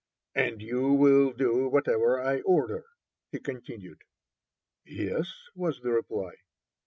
"And you will do whatever I order?" he continued. "Yes," was the reply.